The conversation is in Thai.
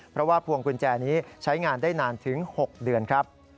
เพราะว่าพวงกุญแจนี้ใช้งานได้นานถึง๖เดือนครับ